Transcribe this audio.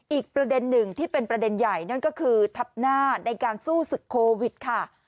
อีกประเด็นหนึ่งที่เป็นประเด็นใหญ่นั่นก็คือทับหน้าในการสู้ศึกโควิดค่ะ